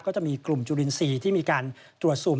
ก็จะมีกลุ่มจุลินทรีย์ที่มีการตรวจสุ่ม